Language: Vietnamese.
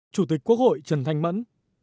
chủ tịch quốc hội trần thành mẫn